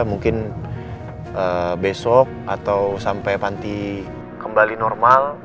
mungkin besok atau sampai panti kembali normal